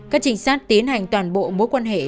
các trinh sát tiến hành toàn bộ mối quan hệ